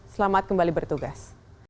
selamat kembali bertugas